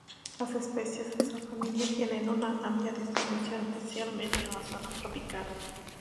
Las especies de esta familia tienen una amplia distribución, especialmente en las zonas tropicales.